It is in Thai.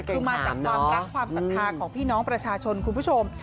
คือมาจากความรักความศรัทธาของพี่น้องประชาชนคุณผู้ชม